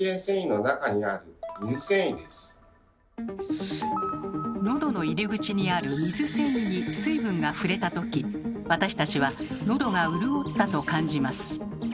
のどの入り口にある水線維に水分が触れた時私たちはのどが潤ったと感じます。